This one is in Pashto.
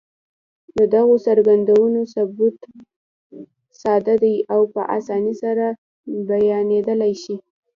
د دغو څرګندونو ثبوت ساده دی او په اسانۍ سره بيانېدلای شي.